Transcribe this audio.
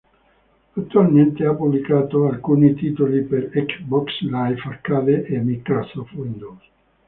Attualmente ha pubblicato alcuni titoli per Xbox Live Arcade e Microsoft Windows.